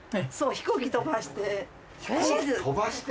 飛行機飛ばして？